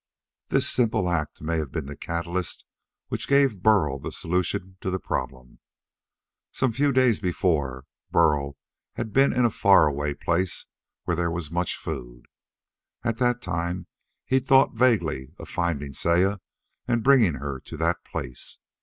This simple act may have been the catalyst which gave Burl the solution to the problem. Some few days before, Burl had been in a far away place where there was much food. At the time he'd thought vaguely of finding Saya and bringing her to that place.